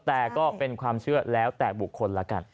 แต่ก็เป็นความเชื่อแล้วแต่บุคคลละกัน